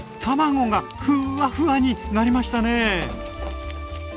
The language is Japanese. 卵がふわふわになりましたね。